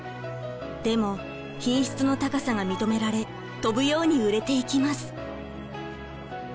でも品質の高さが認められ飛ぶように売れていきます。